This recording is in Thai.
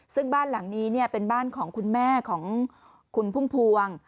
ซึ่งบ้านหลังนี้เป็นบ้านของคุณแม่ของคุณพุ่มพวง